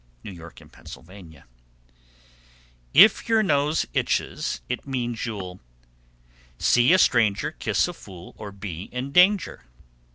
New York and Pennsylvania. 784. If your nose itches, it means you'll See a stranger, Kiss a fool, Or be in danger.